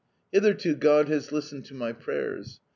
Hitherto God has listened to my prayers.